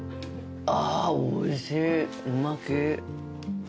あおいしいう巻き。